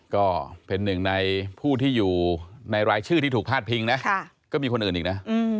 ก็เป็นหนึ่งในผู้ที่อยู่ในรายชื่อที่ถูกพาดพิงนะก็มีคนอื่นอีกนะ